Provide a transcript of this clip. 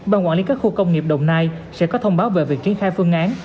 ban quản lý các khu công nghiệp đồng nai sẽ có thông báo về việc triển khai phương án